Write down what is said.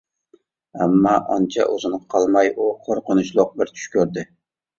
ئەمما ئانچە ئۇزۇنغا قالماي ئۇ قورقۇنچلۇق بىر چۈش كۆردى.